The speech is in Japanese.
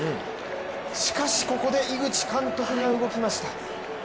しかし、ここで井口監督が動きました。